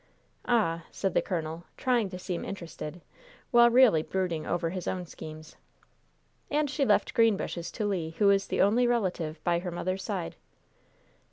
"Ah!" said the colonel, trying to seem interested, while really brooding over his own schemes. "And she left Greenbushes to Le, who is the only relative by her mother's side."